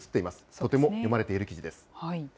とても読まれている記事です。